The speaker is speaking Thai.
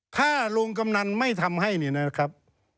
ถ้าลุงกำนันไม่ทำให้เนี่ยนะครับ